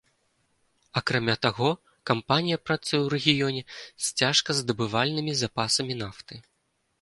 Акрамя таго, кампанія працуе ў рэгіёне з цяжказдабывальнымі запасамі нафты.